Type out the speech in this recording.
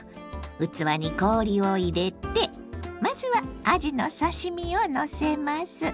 器に氷を入れてまずはあじの刺身をのせます。